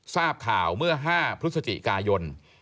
ทราบข่าวเมื่อ๕พฤศจิกายน